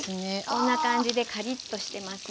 こんな感じでカリッとしてますね。